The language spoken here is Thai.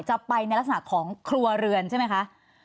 ไปในลักษณะของครัวเรือนใช่ไหมคะ